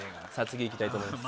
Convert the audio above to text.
次いきたいと思います